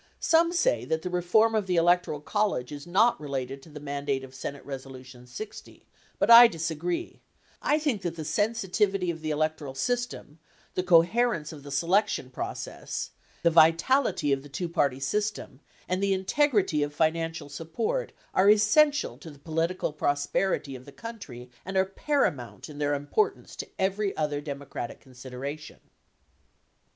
Some say that the reform of the electoral col lege is not related to the mandate of Senate Resolution 60, but I dis agree ; I think that the sensitivity of the electoral system, the coherence of the selection process, the vitality of the two party system, and the integrity of financial support are essential to the political prosperity of the country and are paramount in their importance to every other democratic consideration.